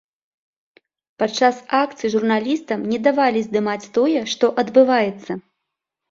Падчас акцый журналістам не давалі здымаць тое, што адбываецца.